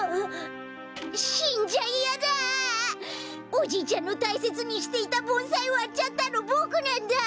おじいちゃんのたいせつにしていたぼんさいわっちゃったのボクなんだ！